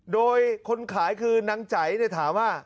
โดยคนขายคือนางใจถามว่า